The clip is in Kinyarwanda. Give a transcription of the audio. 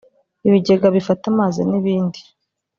ibigega bifata amazi n’ibindi